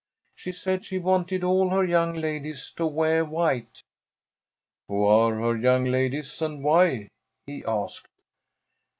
She said she wanted all her young ladies to weah white." "Who are her young ladies, and why?" he asked.